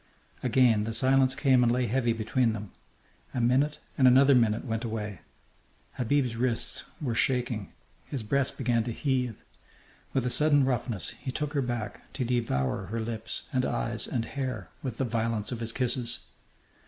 Again the silence came and lay heavy between them. A minute and another minute went away. Habib's wrists were shaking. His breast began to heave. With a sudden roughness he took her back, to devour her lips and eyes and hair with the violence of his kisses.